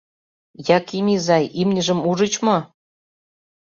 «Яким изай, имньым ужыч мо?